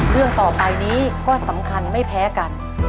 เรื่องต่อไปนี้ก็สำคัญไม่แพ้กัน